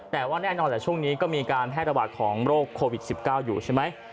แต่ว่าแน่นอนแหละช่วงนี้ก็มีการแพร่ระบาดของโรคโควิด๑๙อยู่ใช่ไหม